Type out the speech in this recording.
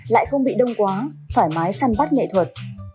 lại không bị đông quá thoải mái săn bắt nghệ thuật